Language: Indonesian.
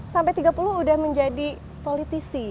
sampai tiga puluh udah menjadi politisi